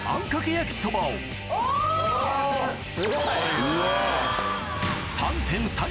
・すごい！